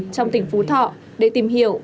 trong tỉnh phú thọ để tìm hiểu